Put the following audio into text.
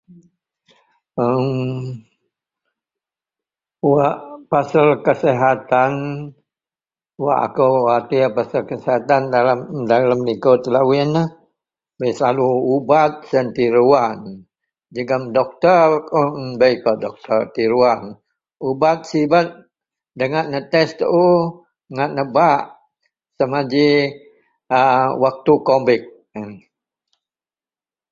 erm Wak pasel kesihatan wak akou watir pasel kesihatan dalem likou telou yenlah bei selalu ubat siyen tiruan jegem doktor pun bei kawak doktor tiruan. Ubat sibet dengak netes tuu ngak nebak samaji [a] waktu kovid yen